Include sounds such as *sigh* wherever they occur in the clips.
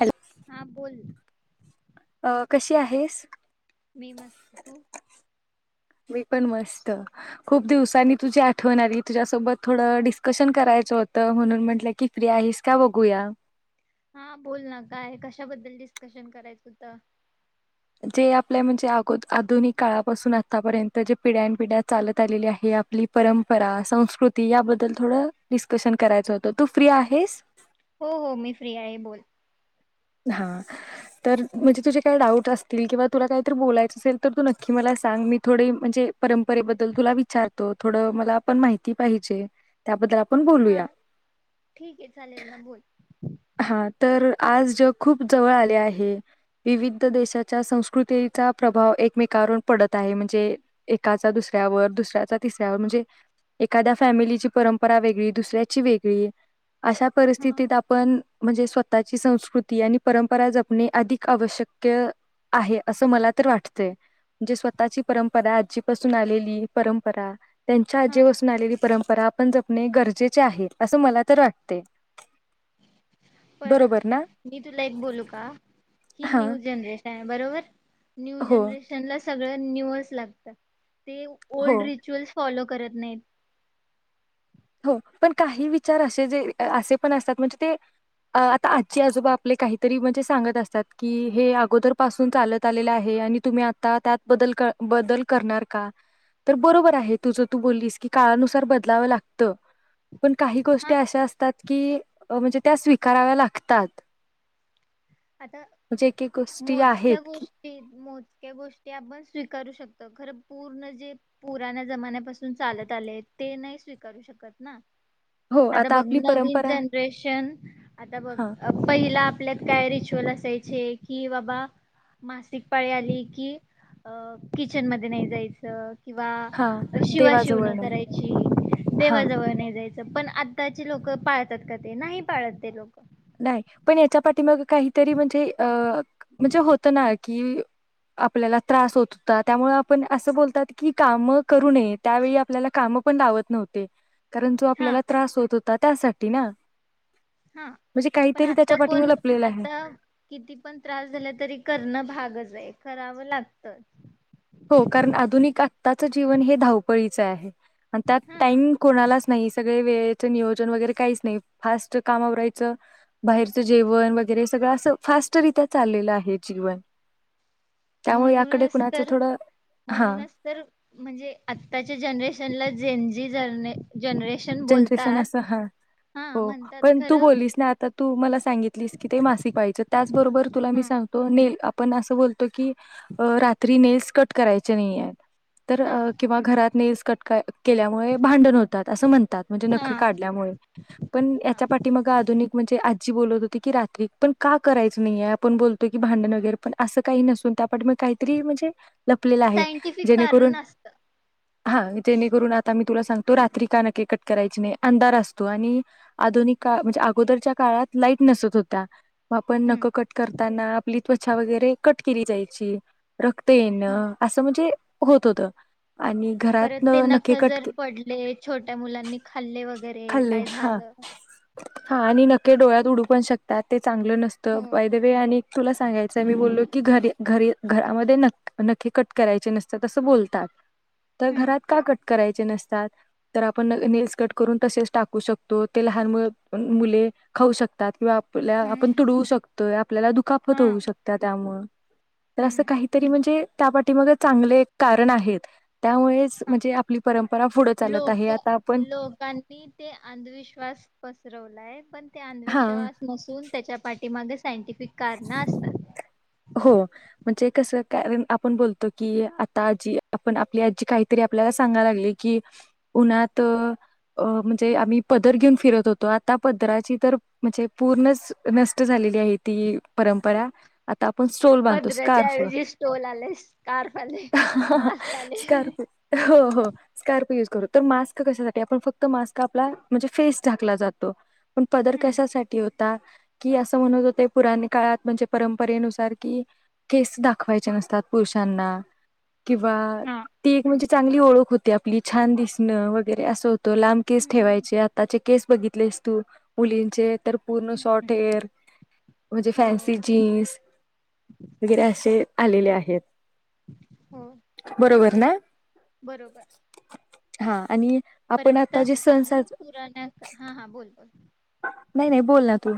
Hello हा बोल अ कशी आहेस मी मस्त तू मी पण मस्त खूप दिवसांनी तुझी आठवण आली तुझ्या सोबत थोड डिस्क्शन करायच होत म्हणून म्हटल की फ्री आहेस का बघुया. हा बोल ना काय कशाबद्दल डिस्क्शन करायच होत ते आपल म्हणजे आधुनिक काळापासून आतापर्यंत पिड्यान पिड्या चालत आलेल्या आपल्या परंपरा संस्कृती या बद्दल थोड डिस्क्शन करायच होत तू फ्री आहेस. हो हो मी फ्री आहे बोल हा तर तुझे काय टाउट असतील तुला काय बोलायच असेल तर तु मला नक्की सांग मी थोड तुला परंपरेबद्दल तुला विचारतो थोड मला पण माहिती पाहिजे त्याबद्दल आप हा ठिक आहे चालेल ना बोल हा तर आज जग खूप जवळ आले आहे विविध देशांच्या संस्कृतीचा प्रभाव एक मेकावर पडत आहे म्हणजे एकाचा दुसऱ्यावर दुसऱ्याचा तिसऱ्यावर म्हणजे एखाद्या फॅमिलीची परंपरा वेगळी दुसऱ्याची वेगळी अशा हा परिस्थितीत आप म्हणजे स्वतःची संस्कृती आणि परंपरा जपणे अधिक आवश्यक्य आहे अस मला तरी वाटतय म्हणजे स्वतःची परंपरा आजीपासून आलेली परंपरा त्यांच्या हा आनीपासून आलेली परंपरा आपण जपणे गरजेचे आहेत मला तरी वाटतय. पण मी तुला एक बोलू का हां. न्यू जनरेशन आहे. बरोबर न्यू हो, जनरेशनलाच सगळ न्यू यच लागत ते हो, ओल्ड रिचियूल्स फॉलो करत नाहीत हो पण काही विचार असे जे असे पण असतात म्हणजे ते अ आता आज्जी, आजोबा आपले काहीतरी म्हणजे सांगत असतात की हे अगोदर पासून चालत आलेलं आहे आणि तुम्ही आता बदल करणार का तर बरोबर आहे तुझं तू बोललीस की काळानुसार बदलाव लागत त पण काही हा गोष्टी अशा आसतात कीअ त्या म्हणजे स्वीकाराव्या लागतात. आता म्हणजे एक-एक गोष्टी आहेत, मोजक्या की गोष्टी आहेत मोजक्या गोष्टी आपण स्वीकरू शकतो खर पूर्ण जे पुराण्या जमाण्या पासून जे चालत आलय ते नाही स्वीकारू शकत ना हो, आता बग आपली नवीन परंपरा जनरेशन हां, पहिला आपल्यात काय रिच की बाबा मासिक पाळी आली की किचन मध्ये नाही जायचं हा हां. शिवाशिव देवाजवळ नाही करायची हां. देवाजवळ नाही जायच पण आताची लोक पाळतात का ते नाही पाळत लोक नाही पण याच्या पाठिमाग काहितरी म्हणजे अ म्हणजे होत ना एक की आपल्याला त्रास होत होता. त्यामुळ अस बोलतात की आपण काम करू नये. त्यावेळेला आपल्याला काम पण लावत नव्हते. कारण तो हा आपल्याला त्रास होत होता त्यासाठी ते ना हा म्हणजे पण काहीतरी त्याच्या आता पाठीमाग कोण लपलेलं आहे आता किती पण त्रास झाल तरी करण भागच आहे. लई करावं लागतं. ताचं जीवन हे धावपळीचं आहे. आता हा टाईम कोणालाच नाही सगळे वेळेचे नियोजन वगैरे काहीच नाही फास्ट काम आवरायचं बाहेरचं जेवण वगैरे सगळं असं फास्ट रित्या चाललेलं आहे जीवन. त्यामुळे याकडे म्हणूनच कोणाचं तर थोडं हा म्हणूनच तर म्हणजे आत्ताच्या जनरेशनला झेन-झी जरणे जनरेशन जनरेशन बोलतात. असं हा, हा हो म्हणतात पण तू खरं बोललीस ना आता हो मला सांगितलिस की ते मासीक पाळीचं त्याचबरोबर तूला मी हा सांगतो नेल आ पण असं बोलतो की, अ रात्री नेल्स कट करायचे नाहीयेत. तर हा अ किंवा घरात नेल्स कट काय केल्यामुळे भांडण होतं त्यात असं म्हण त्यात म्हणजे नखं हा काढल्यामुळे पण हा. याच्या पाठीमागं आधुनिक म्हणजे आ ची बोलत होते की रात्री पण का करायचं नाहीये? आपण बोलतो की भांडण वगैरे पण असं काही नसून त्या पाठीमागे काहीतरी म्हणजे लपलेला आहे. सायंटिफिक जेणेकरून कारण असतं. हां जेणेकरून आता मी तुला सांगतो रात्री का नखे कट करायची नाय अंधार असतो आणि आधुनिक काळ म्हणजे अगोदरच्या काळात लाईट नसत होत्या. आपण हम्म नखं कट करताना आपली त्वचा वगैरे कट केली जायची. रक्त हा येणं असं म्हणजे होत होतं. आणि घरात परत ते नखे नखं जर कट पडले छोट्या मुलांनी खाल्लेवं गरे काय झालं. हां आणि नखे डोळ्यात उडू पण शकतात ते चांगल हो नसतं बाय द वे आणि तुला सांगायचंय मी बोललो की घरी घरी घरामध्ये न नखे कट करायचे नसतात असं बोलतात. त हम्म घरात काय कट करायचे नसतात तर आपण न नेल्स कट करून तसेच टाकू शकतो ते लहान मुळ मुले खाऊ शकतात किंवा पल्या आपण हम्म तुडवू शक तो ॲप आपल्याला दुखापत हा होऊ शकतात त्यामुळं. तर असं हम्म काहीतरी म्हणजे त्या पाठीमाग चांगले कारण आहेत. त्यामुळेच हा म्हणजे आपली परंपरा पुढं चालत आहे. लोक आता आपण लोकांनी ते अंधविश्वास पसरवलाय. पण ते हा अंधविश्वास नसून त्याच्या पाठी ते मागे सायंटिफिक कारण असतात. हो. म्हणजे कस कारण आपण बोलतो, की आता आजी आपण आपली आजी काहीतरी आपल्याला सांगायला लागली कि, उन्हात अ म्हणजे आम्ही पदर घेऊन फिरत होतो. आता पदराची तर म्हणजे पूर्णच नष्ट झालेली आहे ती परंपरा. आता आपण स्टोल बांधतो, पदराच्या स्कार्फ. ऐवजी स्टोल आले, स्कार्फ आले, मास्क आले. स्कार्फ हो, हो स्कार्फ युज खरतर मास्क कशासाठी आपण फक्त मास्क आपला म्हणजे फेस ढाकला जातो. पण पदर कशासाठी हो ता की असं म्हणत होते पुराने काळात म्हणजे परम परे नुसार की केस दाखवायचे नसतात पुरुषांना. किंवा ती एक म्हणजे चांगली ओळख होती आपली. छान दिसणं वगैरे असं हो तो लांब केस हम्म ठेवायचे. आताचे केस बघितलेस तू मुलींचे तर पूर्ण शॉर्ट हेअर म्हणजे हो. फॅन्सी जीन्स वगैरे असे आलेले आहेत. हो ते बरोबर तर आहे. ना बरोबर. हा आणि आपण पर्यंत आता जे सण अजून साज पुराण्या हा, हा बोल, बोल. नाही नाही बोल ना तू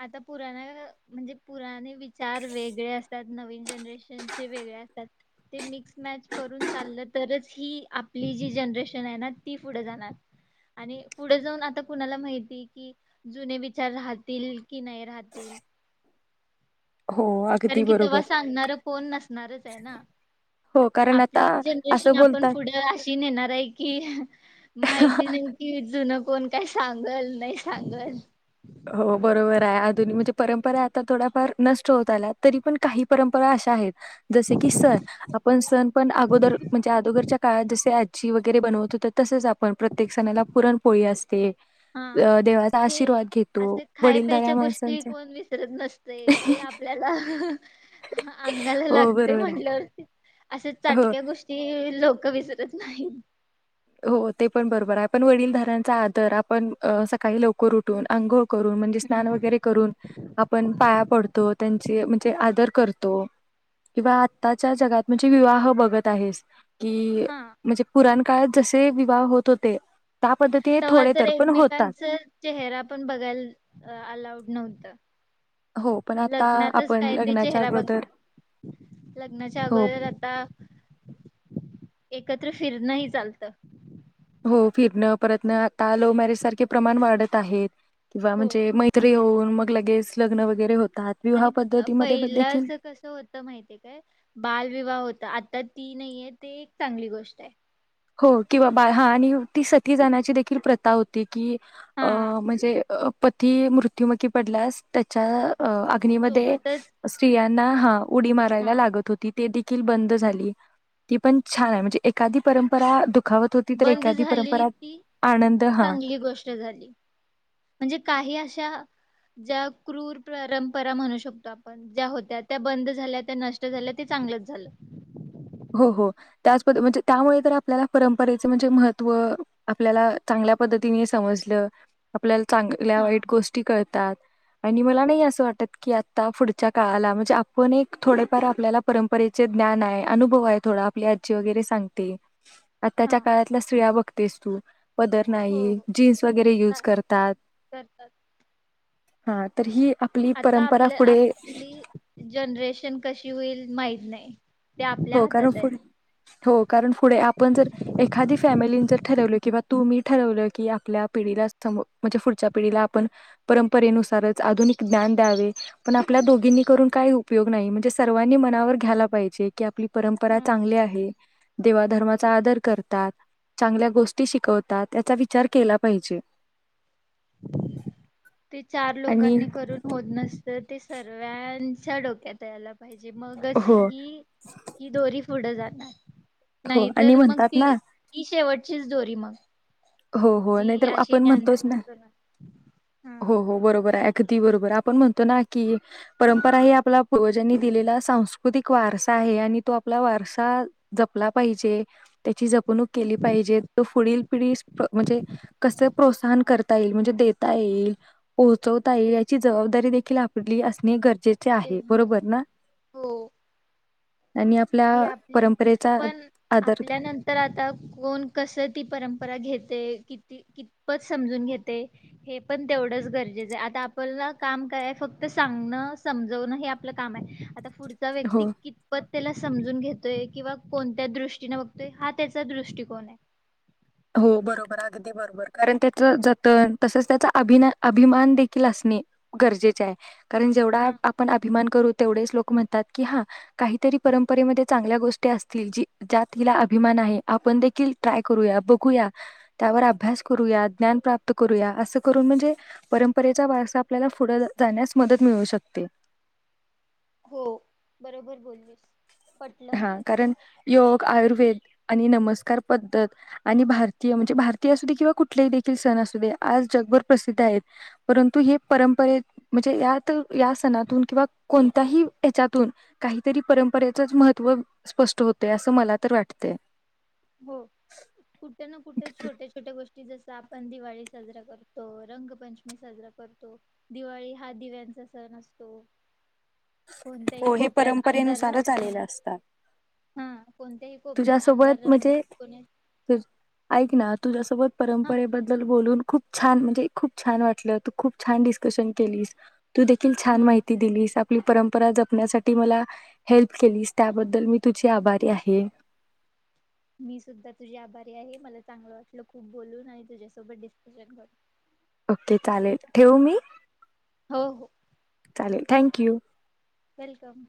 आता पुराण्या म्हणजे पुराने विचार वेगळे असतात, नवीन जनरेशनचे वेगळे असतात ते मिक्स मॅच करून चाललं तरच ही आपली जी जनरेशन आहे ना ती पुढं जाणार आणि पुढं जाऊन आता कुणाला माहिती कि जुने विचार राहतील. की नाही राहतील. हो अगदी कारण कि तेव्हा बरोबर सांगणार कोण नसणारच आहे ना. हो कारण आता आपलीच जनरेशन असं आपण बोलतात पुढं अशी नेणार आहे की, माहिती नाही कि जुनं कोण काय सांगल, नाही सांगल. हो बरोबर आहे आधुन म्हणजे परंपरा आता थोडाफार नष्ट होत आल्यात तरी पण काही परंपरा अशा आहेत जसे की सण. आपण सण पण अगोदर म्हणजे अदोगरच्या का जसे आजी वगैरे बनवत होत तसच आपण प्रत्येक सणाला पुरणपोळी असते. हा अ देवाचा हे आशीर्वाद घेत असे खाय प्यायच्या गोष्टी कोण विसरत नसतय ते आपल्याला अंगाला हो लागतय बरोबर आहे म्हटल्यावरती. असे हो चाटक्या गोष्टी लोक विस *unintelligible* नाही. हो ते पण बरोबर आहे पण वडीलधारांचा आदर आपण अ सकाळी लवकर उठून अंघोळ करून म्हणजे स्नान हम्म वगैरे करून आपण पाया पड तो त्यांचे म्हणजे आदर करतो किंवा आत्ताच्या जगात म्हणजे विवाह बघत आहेस. कि हा म्हणजे पुरान *unintelligible* तसे विवाह होत होते. पद्धतीने तव्हा थोडे तर पण होतात. एकमेकांच चेहरा पण बघायल अं अलाउड नव्हत हो पण आता लग्नातच आपण काय ते लग्नाच्या चेहरा अगोदर बघणार. लग्नाच्या हो अगोदर आता एकत्र फिरणही चालत. हो फिरणं परतन आता लव्ह मॅरेज सारखे प्रमाण वाढत आहेत. वा हो म्हणजे मैत्री होऊन मग लगेच लग्न वगैरे हो आणि पहिलाच कस होत माहितेय काय बालविवाह होता. आ त्यात ती नाहीये ते एक चांगली गोष्ट आहे. हो किंवा बा हा आणि ती सती जणाची देखील प्रथा होती की अ हा म्हणजे पती मृत्युमुखी पडल्यास त्याच्या अ अग्नीमध्ये सोबतच स्त्रिया ना हाऊ उडी मारायला हा लागत होती. ते देखील बंद झाली, ती पण छान आहे. म्हणजे एखादी परंप *unintelligible* बंद झाली ती आनंद हा चांगली गोष्ट झाली म्हणजे काही अश्या त्या ज्या क्रूर परंपरा म्हणू शकतो आपण ज्या होत्या त्या बंद झाल्या, त्या नष्ट झाल्या ते चांगलंच झालं. हो हो त्याच पद्धत म्हणजे त्यामुळे तर आपल्याला परंपरेचं म्हणजे महत्त्व आपल्याला चांगल्या पद्धतीने समजलं. आपल्या चांगल्या हा वाईट गोष्टी कळ *unintelligible* आणि मला नाही असं वाटत की आता पुढच्या काळाला म्हणजे आपण एक थोडेफार आपल्याला परंपरेचे ज्ञान आहे. अनुभव आहे थोडा आपली आजी वगैरे सांगते. हा आताच्या काळातला स्त्रिया बघतेस तू. पदर हो. नाही जीन्स वगैरे युज हा, करतात करतात हा तर ही आपली आता परंपरा आपल्या पुढे किती होईल माहीत नाही. ते आपल्या हो, कारण हातात पुढ आहे. *unintelligible* कारण पुढे आपण जर एखादी फॅमिली जर ठरवलं किंवा तु मी ठरवलं की आपल्या पिढीला सम म्हणजे पुढच्या पिढीला आपण परंपरेनुसारच आधुनिक ज्ञान द्यावे. पण आपल्या दोघींनी करून काही उपयोग नाही, म्हणजे सर्वांनी मनावर घ्यायला पाहिजे. ती आपली परंपरा हा चांगली आहे देवाधर्माचा आदर करतात चांगल्या गोष्टी शिकवतात याचा विचार केला पाहिजे. ते चार आणि लोकांनी करून होत नस तर ते सर्वांच्या डोक्यात यायला पा म्हणजे मगच हो ही ही दोरी पुढं जाणार हो नाही आणि तर मग म्हणतात ना ती-ती शेवट चीच दोरी मग हो हो नाही जी तर अशी आपण ज्ञान म्हणतोच ना हा अगदी बरोबर आपण म्हणतो ना की परंपरा हि आपल्या पूर्वजांनी दिलेला सांस्कृतिक वारसा आहे. आणि तो आपला वारसा जपला पाहिजे. त्याची जपणूक केली पाहिजे. तो पुढील पिढीस म्हणजे कस प्रोत्साहन करता येईल म्हणजे देता येईल पोहोचवता येईल याची जबाबदारी देखील आपली असणे गर ते चे आहे बरोबर ना? हो आणि आपल्या ही आपली परंपरेचा पण आदर आपल्यानंतर आता कोण कस ती परंपरा घेत. ते किती कितपत समजून घेते हे पण तेवढंच गरजेचं हाय. अता आपणला काम काय आहे फक्त सांगणं समजवन हे आपलं काम आहे. अता फ पुढचा व्यक्ती हो कितपत त्याला समजून घेतोय किंवा कोणत्या दृष्टीने बघतोय हा त्याचा दृष्टिकोन आहे. हो बरोबर अगदी बरोबर कारण त्याच जतन तसच त्याचा अभि अभिमान देखील असणे गरजेचे आहे. कारण जेवढा हा आपण अभिमान करू तेवढेच लोक म्हणता की हा काहीतरी परंपरेमध्ये चांगल्या गोष्टी असतील जी ज्यात हीला अभिमान आहे आपण देखील ट्राय करूया बघु ऐकूया त्यावर अभ्यास करूया. ज्ञान प्राप्त करूया. असं प्राप्त करून म्हणजे परंपरेचा वारसा आपल्याला पुढ जाण्यास मदत मिळू शकते. हो बरोबर बोलली. हा कारण योग आयुर्वेद आणि नमनं स्कार पद्धत आणि भारतीय म्हणजे भारतीय असुदे किंवा कुठले देखील सण असुदे आज जगभर प्रसिद्ध आहेत. परंतु हे परंपरे म्हणजे यात ह्या सणातुन किंवा कोणत्याही ह्याच्यातून काहीतरी परम परेचच महत्त्व स्पष्ट होते असं मला तर वाटतंय. हो कुठे ना कुठे छोट्या-छोट्या गोष की जस आपण दिवाळी साजरा करतो. रंगपंचमी साजरा करतो. दिवाळी हा दिव्यांचा सण असतो. कोणत्याही हो हे कोपऱ्यात अंधार राहु परंपरेनुसारच आलेले नये. असतात कोणत्याही कोपऱ्यात अंधार राहू नये. कोणी तर ऐकना तुझ्यासोबत हा परंपरेबद्दल खूप छान म्हणजे खूप छान वाटल तू खूप छान डिसकशन केलीस तू देखील छान हा माहिती दिलीस आप आपली परंपरा जपण्यासाठी मला हेल्प केलीस त्या बद्दल मी तुझे आभारी आहे. मी सुद्धा तुझी आभारी आहे. मला चांगलं वाटलं खूप बोलून आणि तुझ्यासोबत डिस्कशन करून. ओके चालेल ठेवू मी? अहो चालेल थँक यू वेलकम